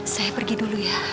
saya pergi dulu ya